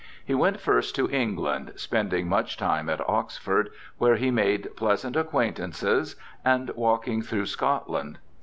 He went first to England, spending much time at Oxford, where he made pleasant acquaintances, and walking through Scotland.